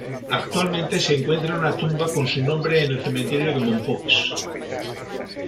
Actualmente se encuentra una tumba con su nombre en el cementerio de mompox.